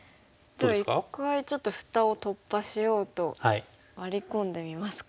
じゃあ一回ちょっと蓋を突破しようとワリ込んでみますか。